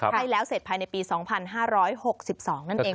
ให้แล้วเสร็จภายในปี๒๕๖๒นั่นเอง